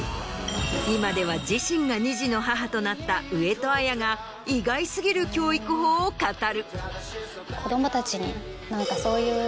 今では自身が２児の母となった上戸彩が意外過ぎる教育法を語る。